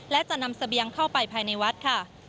และจะนำเสบียงเข้าไปภายในวัดค่ะ